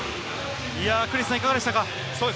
クリスさん、いかがでしたか？